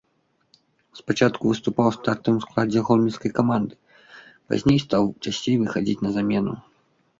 Спачатку выступаў у стартавым складзе гомельскай каманды, пазней стаў часцей выхадзіць на замену.